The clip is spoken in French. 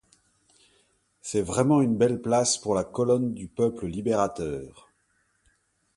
C'est vraiment une belle place pour la colonne du peuple libérateur !